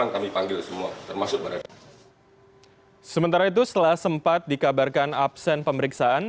kami mengkabarkan absen pemeriksaan